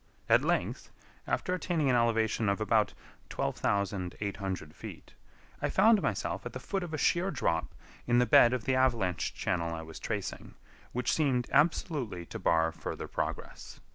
At length, after attaining an elevation of about 12,800 feet, I found myself at the foot of a sheer drop in the bed of the avalanche channel I was tracing, which seemed absolutely to bar further progress.